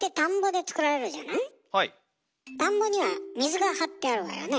田んぼには水が張ってあるわよね？